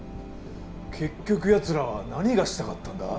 結局ヤツらは何がしたかったんだ？